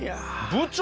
部長！